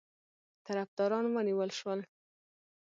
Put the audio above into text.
طرفداران ونیول شول.